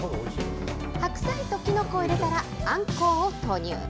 白菜ときのこを入れたら、あんこうを投入。